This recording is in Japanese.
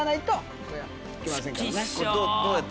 どうやった？